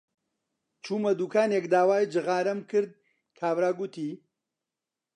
چوومە دووکانێک داوای جغارەم کرد، کابرا گوتی: